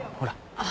あっ。